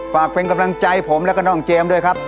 ฝากเป็นกำลังใจผมแล้วก็น้องเจมส์ด้วยครับ